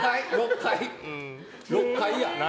６階や。